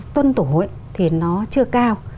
tuân thủ thì nó chưa cao